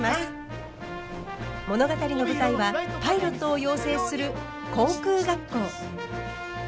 物語の舞台はパイロットを養成する航空学校。